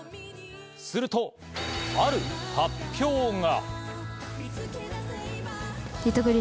すると、ある発表が。